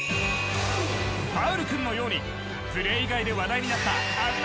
パウル君のようにプレー以外で話題になったあんな